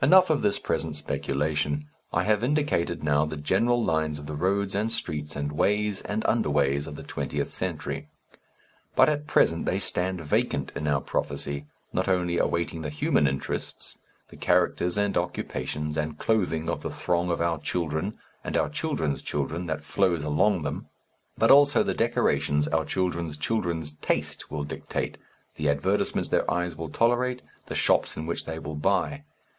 Enough of this present speculation. I have indicated now the general lines of the roads and streets and ways and underways of the Twentieth Century. But at present they stand vacant in our prophecy, not only awaiting the human interests the characters and occupations, and clothing of the throng of our children and our children's children that flows along them, but also the decorations our children's children's taste will dictate, the advertisements their eyes will tolerate, the shops in which they will buy.